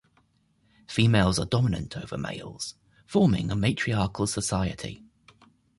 Females are dominant over males, forming a matriarchal society.